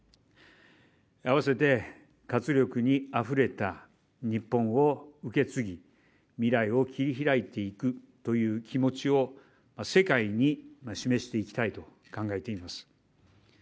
併せて、活力にあふれた日本を受け継ぎ、未来を切り開いていくという気持ちを世界に示していきたいと考えています。